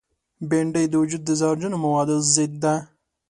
بېنډۍ د وجود د زهرجنو موادو ضد ده